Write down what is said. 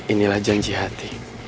inilah janji hati